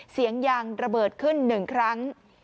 เสียงยางระเบิดขึ้น๑ครั้ง